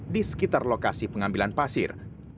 di sekitar lokasi pengambilan pasir